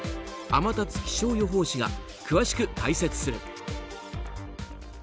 天達気象予報士が詳しく解説する。